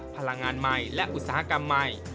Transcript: พลังงานใหม่และอุตสาหกรรมใหม่